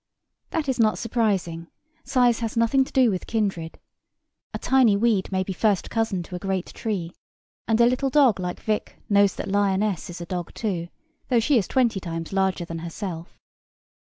That is not surprising: size has nothing to do with kindred. A tiny weed may be first cousin to a great tree; and a little dog like Vick knows that Lioness is a dog too, though she is twenty times larger than herself.